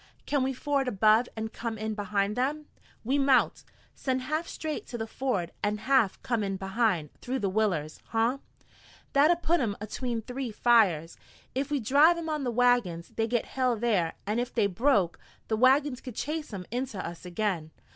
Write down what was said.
"Can we ford above and come in behind them?" "We mout. Send half straight to the ford an' half come in behind, through the willers, huh? That'd put 'em atween three fires. Ef we driv' 'em on the wagons they'd get hell thar, an' ef they broke, the wagons could chase 'em inter us again.